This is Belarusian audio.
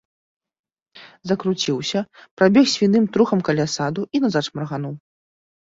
Закруціўся, прабег свіным трухам каля саду і назад шмаргануў.